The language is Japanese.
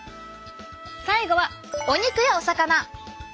最後はお肉やお魚！